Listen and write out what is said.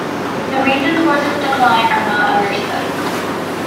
The reasons for this decline are not understood.